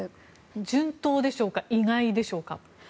順当でしょうか意外でしょうか？